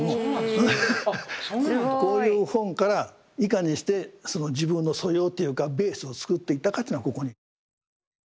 すごい！こういう本からいかにしてその自分の素養というかベースを作っていたかというのはここに。